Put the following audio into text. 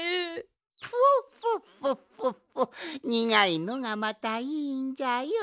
フォッフォッフォッフォッフォッにがいのがまたいいんじゃよ。